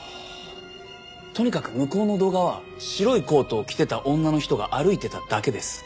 とにかく向こうの動画は白いコートを着てた女の人が歩いてただけです。